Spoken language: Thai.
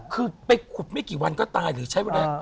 คือไปขุดไม่กี่วันก็ตายหรือใช้เวลา